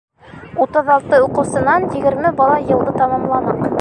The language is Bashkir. Утыҙ алты уҡыусынан егерме бала йылды тамамланыҡ.